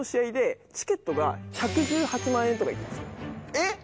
えっ！